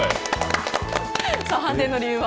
判定の理由は。